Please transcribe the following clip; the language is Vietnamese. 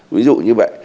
ví dụ như vậy